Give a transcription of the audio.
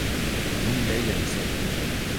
En un bell en sec.